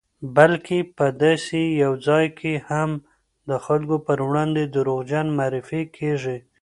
بلکې په داسې یو ځای کې هم د خلکو پر وړاندې دروغجن معرفي کېږي